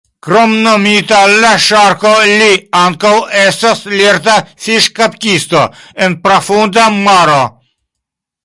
Kromnomita "La Ŝarko", li ankaŭ estas lerta fiŝkaptisto en profunda maro.